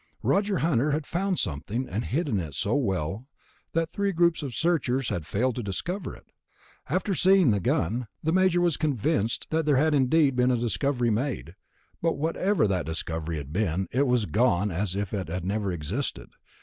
Roger Hunter had found something, and hidden it so well that three groups of searchers had failed to discover it. After seeing the gun, the Major was convinced that there had indeed been a discovery made. But whatever that discovery had been, it was gone as if it had never existed